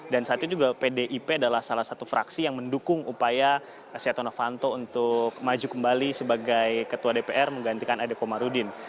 dan saat itu juga pdip adalah salah satu fraksi yang mendukung upaya stiano vanto untuk maju kembali sebagai ketua dpr menggantikan adek komarudin